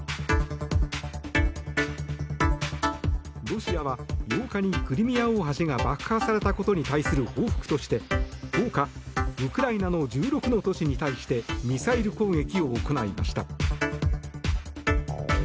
ロシアは８日に、クリミア大橋が爆破されたことに対する報復として１０日、ウクライナの１６の都市に対してミサイル攻撃を行いました。